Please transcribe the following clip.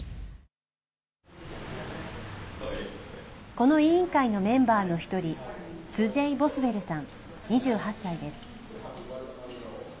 この委員会のメンバーの一人スジェイ・ボスウェルさん２８歳です。